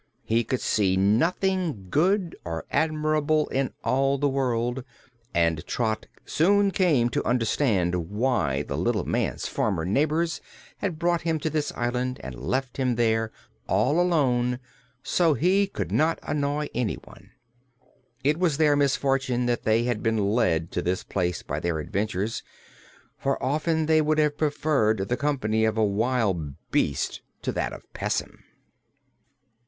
He could see nothing good or admirable in all the world and Trot soon came to understand why the little man's former neighbors had brought him to this island and left him there, all alone, so he could not annoy anyone. It was their misfortune that they had been led to this place by their adventures, for often they would have preferred the company of a wild beast to that of Pessim.